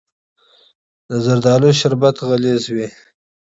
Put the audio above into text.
د زردالو شربت غلیظ وي.